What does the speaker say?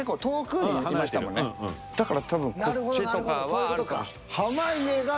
だから多分こっちとかはあるかもしれない。